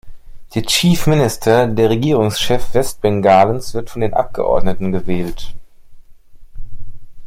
Der "Chief Minister", der Regierungschef Westbengalens, wird von den Abgeordneten gewählt.